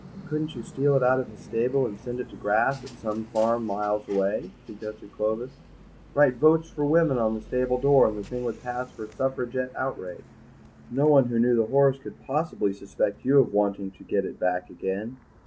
"Couldn't you steal it out of his stable and send it to grass at some farm miles away?" suggested Clovis; "write 'Votes for Women' on the stable door, and the thing would pass for a Suffragette outrage. No one who knew the horse could possibly suspect you of wanting to get it back again."